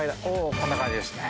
こんな感じですね